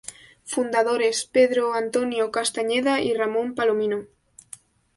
Fundadores: Pedro Antonio Castañeda y Ramón Palomino.